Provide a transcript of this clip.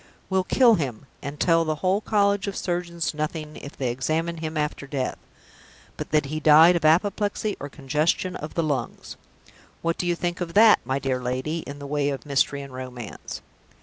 Will kill him, and tell the whole College of Surgeons nothing, if they examine him after death, but that he died of apoplexy or congestion of the lungs! What do you think of that, my dear lady, in the way of mystery and romance?